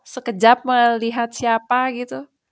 sekejap melihat siapa gitu